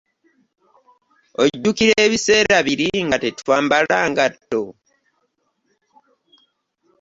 Ojjukira ebiseera biri nga tetwambala ngatto?